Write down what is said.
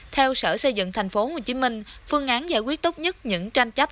theo sở xây dựng thành phố hồ chí minh phương án giải quyết tốt nhất những tranh chấp